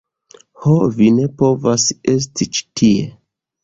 Ho, vi ne povas esti ĉi tie